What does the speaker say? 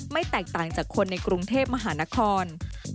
แตกต่างจากคนในกรุงเทพมหานคร